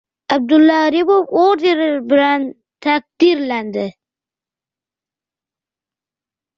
Abdulla Aripov orden bilan taqdirlandi